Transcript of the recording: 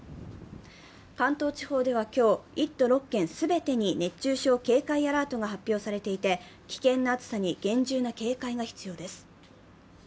関東地方では今日、１都６県全てに熱中症警戒アラートが発表されていて、危険な暑さに厳重な警戒が必要です。